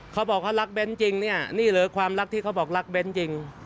เขาบอกเขารักเน้นจริงเนี่ยนี่เหรอความรักที่เขาบอกรักเน้นจริง